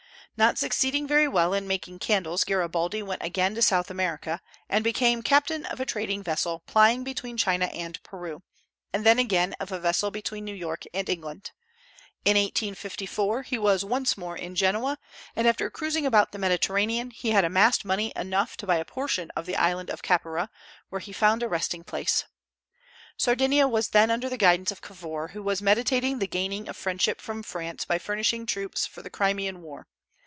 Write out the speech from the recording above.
Not succeeding very well in making candles, Garibaldi went again to South America, and became captain of a trading vessel plying between China and Peru, and then again of a vessel between New York and England. In 1854 he was once more in Genoa, and after cruising about the Mediterranean, he had amassed money enough to buy a portion of the island of Caprera, where he found a resting place. Sardinia was then under the guidance of Cavour, who was meditating the gaining of friendship from France by furnishing troops for the Crimean war.